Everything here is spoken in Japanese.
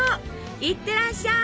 いってらっしゃい！